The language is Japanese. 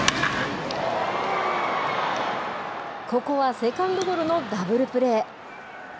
ここはセカンドゴロのダブルプレー。